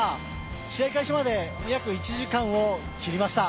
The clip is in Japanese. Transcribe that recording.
試合開始まで約１時間を切りました。